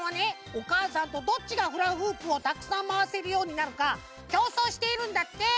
おかあさんとどっちがフラフープをたくさんまわせるようになるかきょうそうしているんだって！